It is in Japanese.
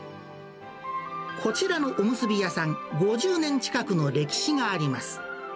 こちらのおむすび屋さん、５０年近くの歴史があります。